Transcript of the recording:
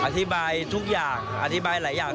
อธิบายทุกอย่างอธิบายหลายอย่าง